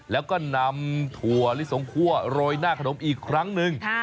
แล้วก็นำถั่วลิสงคั่วโรยหน้าขนมอีกครั้งหนึ่ง